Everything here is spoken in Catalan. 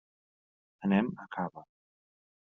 Anem a Cava.